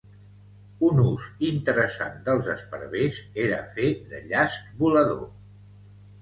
Un ús interessant dels esparvers era fer de "llast volador".